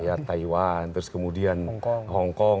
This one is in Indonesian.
ya taiwan terus kemudian hongkong